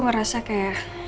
berbicara tentang ini